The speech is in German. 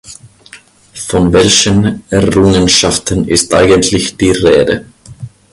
Von welchen Errungenschaften ist eigentlich die Rede?